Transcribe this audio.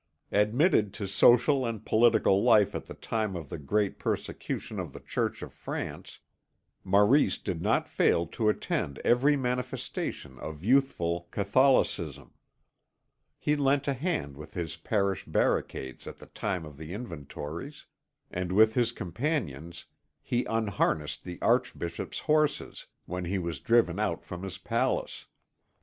Admitted to social and political life at the time of the great persecution of the Church of France, Maurice did not fail to attend every manifestation of youthful Catholicism; he lent a hand with his parish barricades at the time of the Inventories, and with his companions he unharnessed the archbishop's horses when he was driven out from his palace.